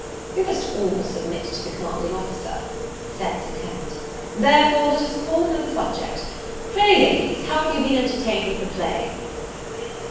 "We must all submit to the commanding officer," said Sir Clement: "therefore, let us call another subject. Pray, ladies, how have you been entertained with the play?"